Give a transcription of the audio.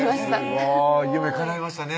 すごい夢かないましたね